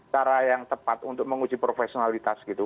cara yang tepat untuk menguji profesionalitas gitu